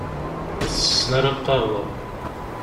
Ur tessen ara lqahwa.